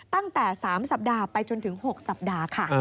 ตั้งแต่๓สัปดาห์ไปจนถึง๖สัปดาห์ค่ะ